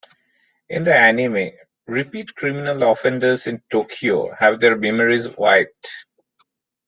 In the anime, repeat criminal offenders in Tokyo have their memories wiped.